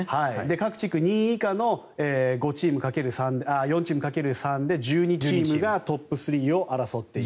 各地区２位以下の４チーム掛ける３で１２チームがトップ３を争っている。